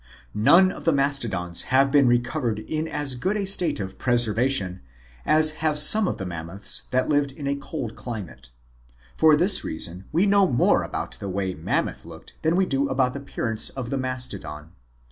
None of the Mastodons have been recovered in as good a state of preservation as have some of the Mammoths that lived in a cold climate. For this reason we know more about the way the Mammoth looked than we do about the appearance of the Mastodon.